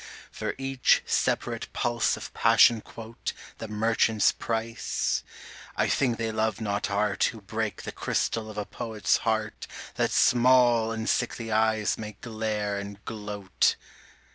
for each separate pulse of passion quote The merchant's price. I think they love not art Who break the crystal of a poet's heart That small and sickly eyes may glare and gloat.